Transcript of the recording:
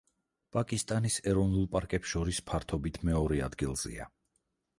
პაკისტანის ეროვნულ პარკებს შორის ფართობით მეორე ადგილზეა.